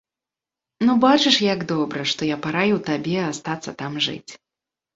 Ну, бачыш, як добра, што я параіў табе астацца там жыць.